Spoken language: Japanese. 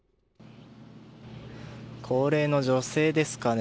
高齢の女性ですかね。